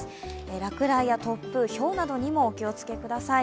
落雷や突風、ひょうにもお気をつけください。